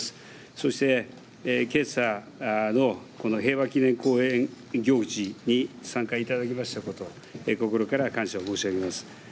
そして、けさの平和記念公園行事に参加いただきましたこと心から感謝を申し上げます。